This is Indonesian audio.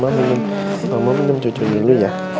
mama minum mama minum susu dulu ya